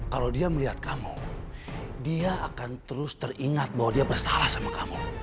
kalau dia melihat kamu dia akan terus teringat bahwa dia bersalah sama kamu